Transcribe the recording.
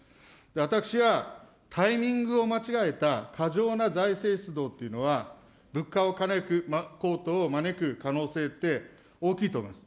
私はタイミングを間違えた過剰な財政出動っていうのは、物価を招く、高騰を招く可能性って大きいと思います。